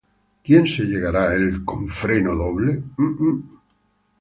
¿Quién se llegará á él con freno doble?